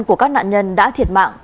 của các nạn nhân đã thiệt mạng